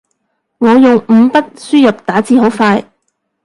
我用五筆輸入打字好快